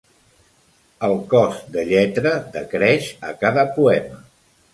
El cos de lletra decreix a cada poema.